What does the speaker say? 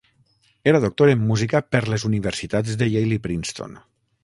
Era doctor en Música per les Universitats de Yale i Princeton.